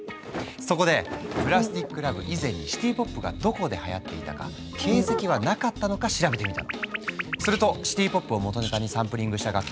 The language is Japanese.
そこで「ＰＬＡＳＴＩＣＬＯＶＥ」以前にシティ・ポップがどこではやっていたか形跡はなかったのか調べてみたの。